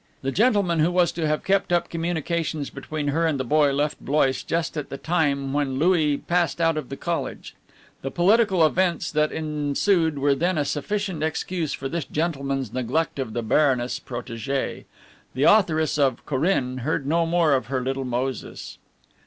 The gentleman who was to have kept up communications between her and the boy left Blois just at the time when Louis passed out of the college. The political events that ensued were then a sufficient excuse for this gentleman's neglect of the Baroness' protege. The authoress of Corinne heard no more of her little Moses.